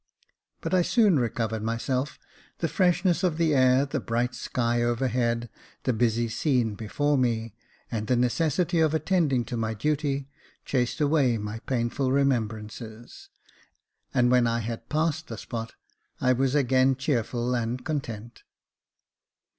But I soon recovered myself j the freshness of the air, the bright sky overhead, the busy scene before me, and the necessity of attending to my duty, chased away my painful remembrances j and when I had passed the spot, I was again cheerful and content.